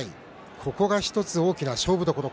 ここが一つ、大きな勝負どころ。